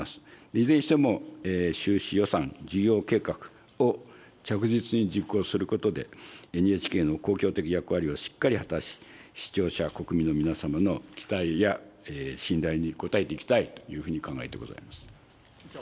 いずれにしても、収支予算・事業計画を着実に実行することで、ＮＨＫの公共的役割をしっかり果たし、視聴者・国民の皆様の期待や信頼に応えていきたいというふうに考えてございます。